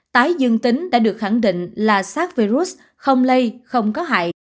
tái dương tính đã được khẳng định là sars virus không lây không có hại